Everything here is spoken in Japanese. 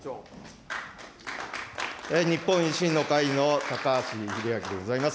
日本維新の会の高橋英明でございます。